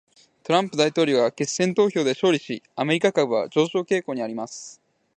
トランプ大統領が決選投票で勝利し、アメリカ株は上昇傾向にあります。